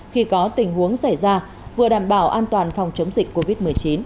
khi có tình huống xảy ra vừa đảm bảo an toàn phòng chống dịch covid một mươi chín